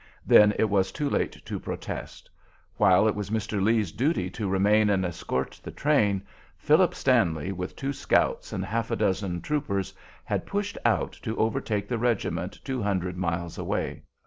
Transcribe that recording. Then it was too late to protest. While it was Mr. Lee's duty to remain and escort the train, Philip Stanley, with two scouts and half a dozen troopers, had pushed out to overtake the regiment two hundred miles away.